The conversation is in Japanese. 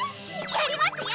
やります